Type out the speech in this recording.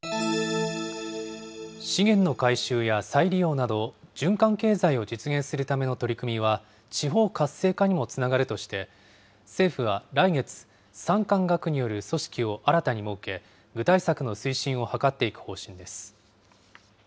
資源の回収や再利用など、循環経済を実現するための取り組みは、地方活性化にもつながるとして、政府は来月、産官学による組織を新たに設け、具体策の推進を図っていく方針です。